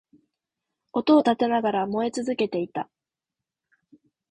音を立てながら燃え続けていた